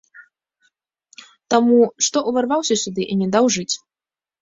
Таму, што ўварваўся сюды і не даў жыць?